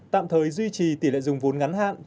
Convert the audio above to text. tạm thời duy trì tỷ lệ dùng vốn ngắn hạn